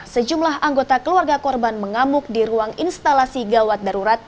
sejumlah anggota keluarga korban mengamuk di ruang instalasi gawat darurat